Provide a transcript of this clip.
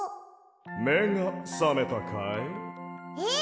めがさめたかい？え！？